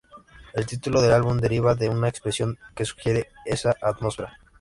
El título del álbum deriva de una expresión que sugiere esa atmósfera.